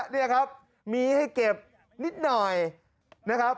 นี่ครับมีให้เก็บนิดหน่อยนะครับ